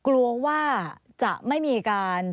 กลัวว่าจะไม่มีการ